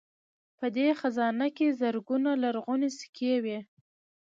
په دې خزانه کې زرګونه لرغونې سکې وې